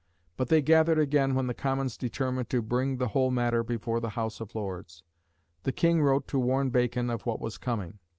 But they gathered again when the Commons determined to bring the whole matter before the House of Lords. The King wrote to warn Bacon of what was coming.